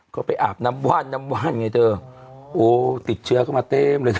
ก็ไปอาบน้ำว่านน้ำว่านไงเธอโอ้ติดเชื้อเข้ามาเต็มเลย